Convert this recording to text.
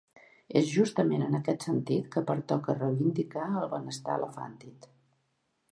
És justament en aquest sentit que pertoca reivindicar el benestar elefàntid.